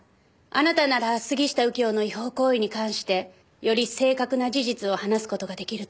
あなたなら杉下右京の違法行為に関してより正確な事実を話す事が出来ると思います。